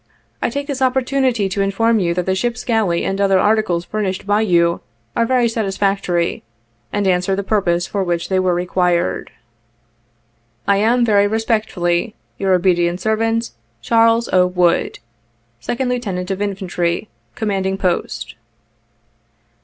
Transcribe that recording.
I take this opportunity to inform you that the ship's galley and other articles furnished by you, are very satisfactory, and answer the purpose for which they were required. "I am, very respectfully, your obedient servant, "CHAKLES O. WOOD/' " Second Lieutenant of Infantry, " Commanding Post.